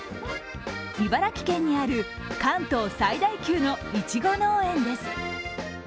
茨城県にある関東最大級のいちご農園です。